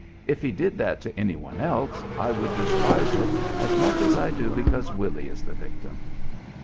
"If he did that to any one else I would despise it as much as I do because Willy is the victim."